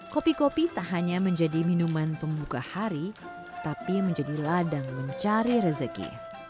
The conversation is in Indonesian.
kopi kopi tak hanya menjadi minuman pembuka hari tapi menjadi ladang mencari rezeki